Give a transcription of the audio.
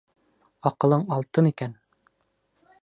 — Аҡылың алтын икән...